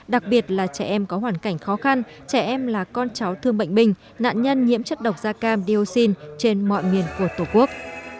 đặc biệt là trẻ em có hoàn cảnh khó khăn trẻ em là con cháu thương bệnh bình nạn nhân nhiễm chất độc da cam dioxin trên mọi miền của tổ quốc